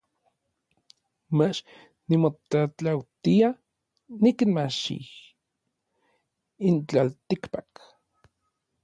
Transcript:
Mach nimotlatlautia xikinmachij n tlaltikpak.